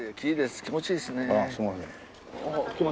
気持ちいいですね。